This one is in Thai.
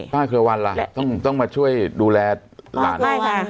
เครือวันล่ะต้องมาช่วยดูแลหลาน